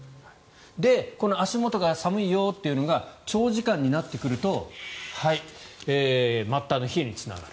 この足元が寒いよというのが長時間になってくると末端の冷えにつながる。